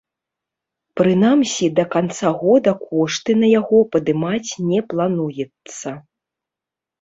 Прынамсі да канца года кошты на яго падымаць не плануецца.